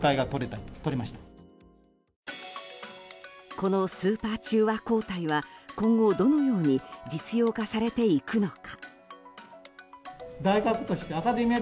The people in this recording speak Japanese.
このスーパー中和抗体は今後、どのように実用化されていくのか。